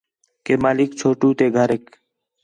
کہ مالک چھوٹو تے گھریک